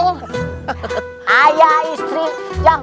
wah dan avant lauren